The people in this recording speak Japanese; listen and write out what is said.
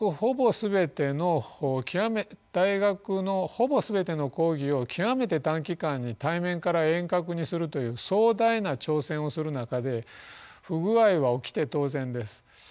大学のほぼ全ての講義を極めて短期間に対面から遠隔にするという壮大な挑戦をする中で不具合は起きて当然です。